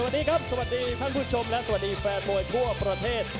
สวัสดีครับสวัสดีท่านผู้ชมและสวัสดีแฟนมวยทั่วประเทศ